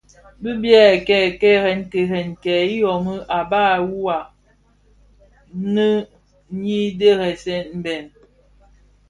Bi byèè kèrèn kèrèn kè dhiyômi bas wua nneèn nyi dheresèn bhèd.